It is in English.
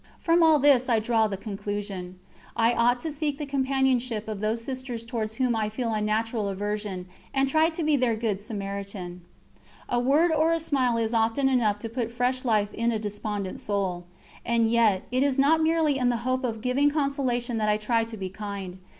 From all this I draw the conclusion: I ought to seek the companionship of those Sisters towards whom I feel a natural aversion, and try to be their good Samaritan. A word or a smile is often enough to put fresh life in a despondent soul. And yet it is not merely in the hope of giving consolation that I try to be kind.